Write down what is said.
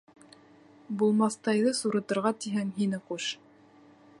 Булмаҫтайҙы сурытырға тиһәң, һине ҡуш.